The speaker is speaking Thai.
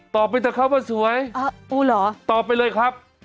ไปเถอะครับว่าสวยตอบไปเลยครับ